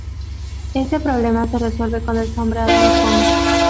Este problema se resuelve con el sombreado de Phong.